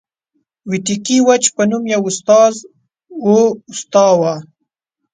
ویتکي ویچ په نوم یو استازی واستاوه.